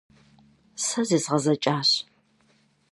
Сэ зезгъэзэкӀащ.